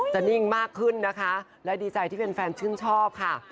นิ่งมากขึ้นนะคะและดีใจที่แฟนชื่นชอบค่ะ